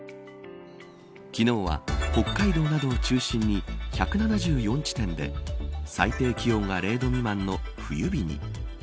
昨日は北海道などを中心に１７４地点で最低気温が０度未満の冬日に。